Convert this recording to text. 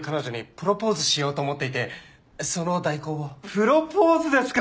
プロポーズですか！